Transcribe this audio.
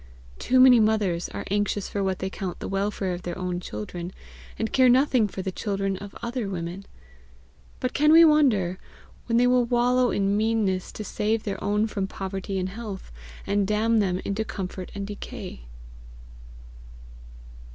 Too many mothers are anxious for what they count the welfare of their own children, and care nothing for the children of other women! But can we wonder, when they will wallow in meannesses to save their own from poverty and health, and damn them into comfort and decay.